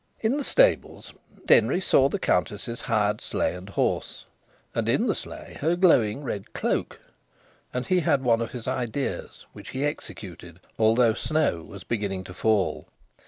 In the stables Denry saw the Countess's hired sleigh and horse, and in the sleigh her glowing red cloak. And he had one of his ideas, which he executed, although snow was beginning to fall.